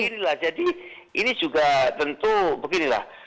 ya beginilah jadi ini juga tentu beginilah